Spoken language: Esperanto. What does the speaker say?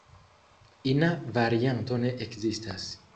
Ina varianto ne ekzistas.